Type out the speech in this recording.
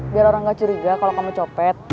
biar orang gak curiga kalau kamu copet